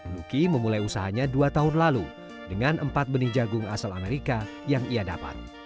luki memulai usahanya dua tahun lalu dengan empat benih jagung asal amerika yang ia dapat